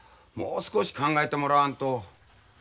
もう少し考えてもらわんと。